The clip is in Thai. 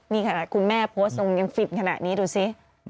นี่ค่ะคุณแม่โพสต์ตรงยังฟิล์มขนาดนี้ดูสิ